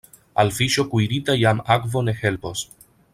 Al fiŝo kuirita jam akvo ne helpos.